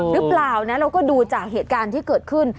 หรือเปล่านะเราก็ดูจากเหตุการณ์ที่เกิดขึ้น